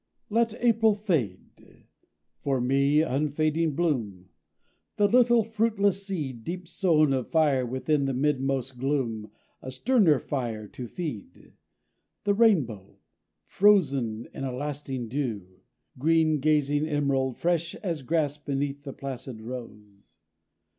Let April fade! For me, unfading bloom!... The little fruitless seed Deep sown of fire within the midmost gloom, A sterner fire to feed: The rainbow, frozen in a lasting dew; Green gazing emerald, fresh as grass beneath The placid rose.